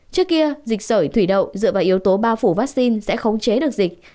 trước kia dịch sởi thủy đậu dựa vào yếu tố bao phủ vaccine sẽ khống chế được dịch